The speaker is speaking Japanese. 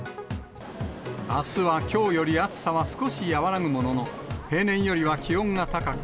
あすはきょうより暑さは少し和らぐものの、平年よりは気温が高く、